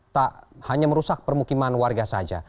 tak hanya merusak permukiman warga saja